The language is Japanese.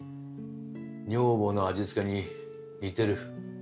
女房の味付けに似てる。